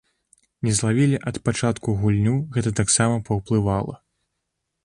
Не злавілі ад пачатку гульню, гэта таксама паўплывала.